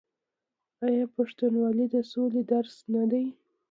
آیا پښتونولي د سولې درس نه دی؟